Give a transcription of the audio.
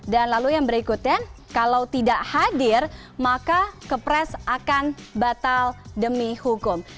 dan lalu yang berikutnya kalau tidak hadir maka kepres akan batal demi hukum